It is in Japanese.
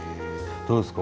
どうですか？